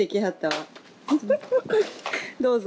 どうぞ。